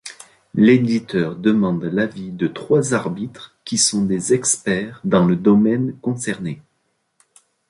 L’éditeur demande l'avis de trois arbitres qui sont des experts dans le domaine concerné.